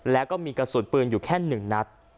แล้วก็มีกระสุนปืนอยู่แค่๑นัด